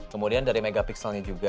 kemudian dari megapikselnya juga